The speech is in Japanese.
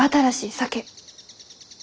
酒？